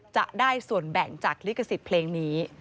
จะได้ส่วนแบ่งจากลิขสิทธิ์เพลงนี้